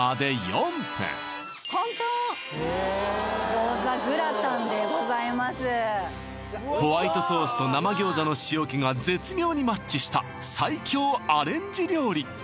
餃子グラタンでございますホワイトソースと生餃子の塩気が絶妙にマッチした最強アレンジ料理